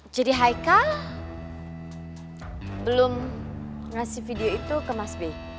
jadi haika belum ngasih video itu ke mas b